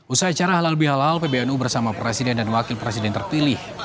usai acara halal bihalal pbnu bersama presiden dan wakil presiden terpilih